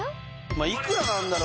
今いくらなんだろ